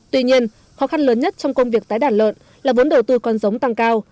tuy nhiên khó khăn lớn nhất trong công việc tái đàn lợn là vốn đầu tư con giống tăng cao